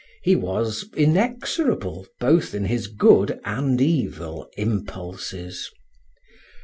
He was inexorable both in his good and evil impulses.